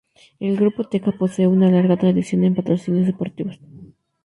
El Grupo Teka posee una larga tradición en patrocinios deportivos.